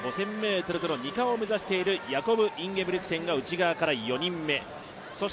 ５０００ｍとの２冠を目指しているインゲブリクセンが内側から４人目。